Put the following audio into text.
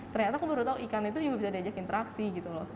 ternyata aku baru tahu ikan itu juga bisa diajak interaksi gitu loh